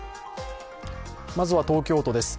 まずは東京都です。